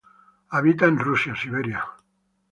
Habita en Rusia, Siberia.